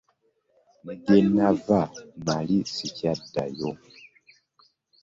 Ne gye nnava nnali ssikyaddayo.